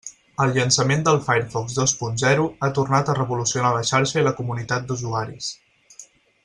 El llançament del Firefox dos punt zero ha tornat a revolucionar la xarxa i la comunitat d'usuaris.